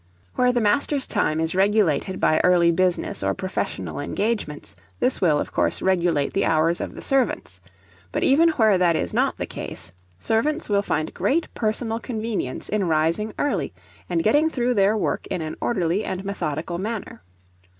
Where the master's time is regulated by early business or professional engagements, this will, of course, regulate the hours of the servants; but even where that is not the case, servants will find great personal convenience in rising early and getting through their work in an orderly and methodical manner.